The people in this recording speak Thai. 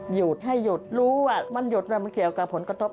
หยุดให้หยุดรู้ว่ามันหยุดแล้วมันเกี่ยวกับผลกระทบ